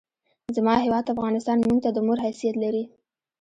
زما هېواد افغانستان مونږ ته د مور حیثیت لري!